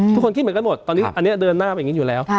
ทุกคนคิดเหมือนกันหมดตอนนี้อันนี้เดินหน้าไปอย่างนี้อยู่แล้ว